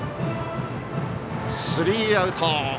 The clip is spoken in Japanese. スリーアウト。